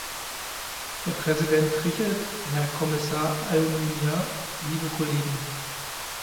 Herr Präsident Trichet, Herr Kommissar Almunia, liebe Kollegen!